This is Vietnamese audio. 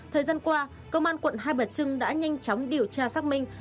thời gian qua công an quận hai bà trưng đã nhanh chóng điều tra xác minh